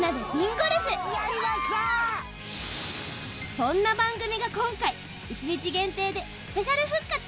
そんな番組が今回１日限定でスペシャル復活。